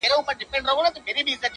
نن هغه سالار د بل په پښو كي پروت دئ؛